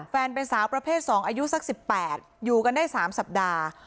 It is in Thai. แฟนเป็นสาวประเภท๒อายุสัก๑๘อยู่กันได้๓สัปดาห์